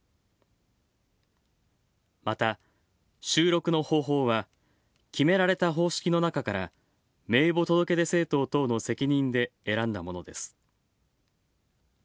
また、収録の方法は決められた方式の中から名簿届出政党等の責任で選んだものです。